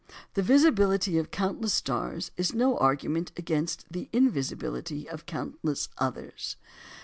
The visibility of countless stars is no argument against the invisibility of countless others."